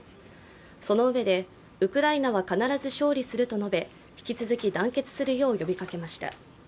そのうえで、ウクライナは必ず勝利すると述べ引き続き団結するよう呼びかけました。